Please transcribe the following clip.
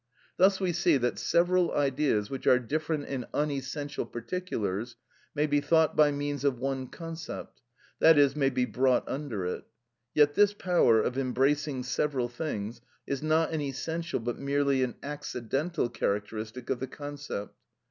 Thus we see that several ideas which are different in unessential particulars may be thought by means of one concept, i.e., may be brought under it. Yet this power of embracing several things is not an essential but merely an accidental characteristic of the concept.